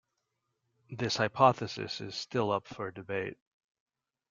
This hypothesis is still up for debate.